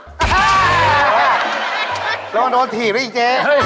เราก็โดนถีบด้วยอีกเจ๊